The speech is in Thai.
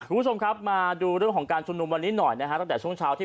คุณผู้ชมครับมาดูเรื่องของการชุมนุมวันนี้หน่อยนะฮะตั้งแต่ช่วงเช้าที่